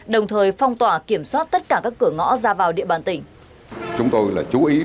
đồng thời phong tỏa kiểm soát tất cả các cửa ngõ ra vào địa bàn tỉnh